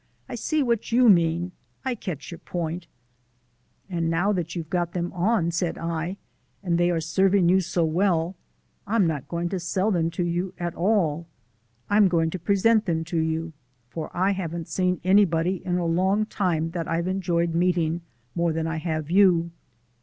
"I see what YOU mean. I catch your point." "And now that you've got them on," said I, "and they are serving you so well, I'm not going to sell them to you at all. I'm going to present them to you for I haven't seen anybody in a long time that I've enjoyed meeting more than I have you."